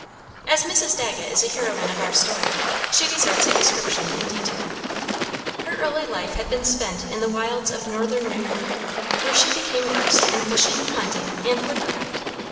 As Mrs. Dagget is the heroine of our story, she deserves a description in detail. Her early life had been spent in the wilds of Northern New York, where she became versed in fishing, hunting, and wood craft.